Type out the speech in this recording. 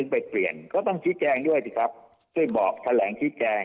ไปเปลี่ยนไปตั้งขี้แกงด้วยสิครับใส่บอกแถงขี้แกง